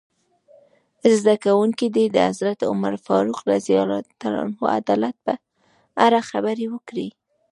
زده کوونکي دې د حضرت عمر فاروق رض عدالت په اړه خبرې وکړي.